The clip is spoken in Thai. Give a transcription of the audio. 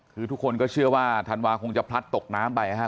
คือทุกคนก็เชื่อว่าธันวาคงจะพลัดตกน้ำไปนะครับ